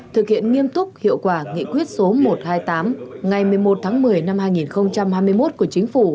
thực hiện nghiêm túc hiệu quả nghị quyết số một trăm hai mươi tám ngày một mươi một tháng một mươi năm hai nghìn hai mươi một của chính phủ